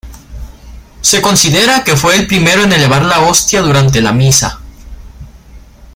Se considera que fue el primero en elevar la hostia durante la misa.